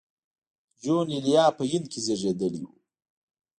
جون ایلیا په هند کې زېږېدلی و